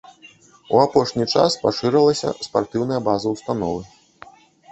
У апошні час пашырылася спартыўная база ўстановы.